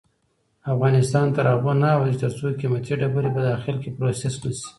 افغانستان تر هغو نه ابادیږي، ترڅو قیمتي ډبرې په داخل کې پروسس نشي.